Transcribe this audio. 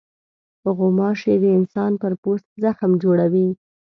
غوماشې د انسان پر پوست زخم جوړوي.